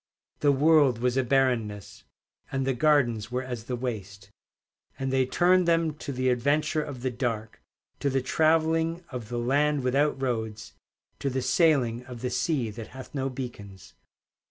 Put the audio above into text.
The world was a barrenness, And the gardens were as the waste. And they turned them to the adventure of the dark, To the travelling of the land without roads, To the sailing of the sea that hath no beacons.